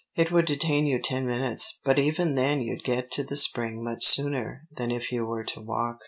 It would detain you ten minutes, but even then you'd get to the Spring much sooner than if you were to walk."